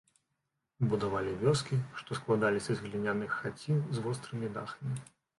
Будавалі вёскі, што складаліся з гліняных хацін з вострымі дахамі.